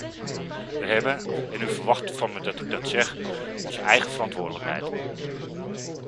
We hebben, en u verwacht van me dat ik dat zeg, onze eigen verantwoordelijkheid.